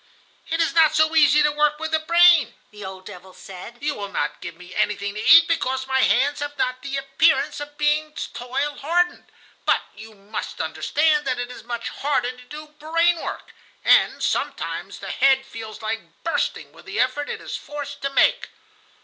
"It is not so easy to work with the brain," the old devil said. "You will not give me anything to eat because my hands have not the appearance of being toil hardened, but you must understand that it is much harder to do brain work, and sometimes the head feels like bursting with the effort it is forced to make."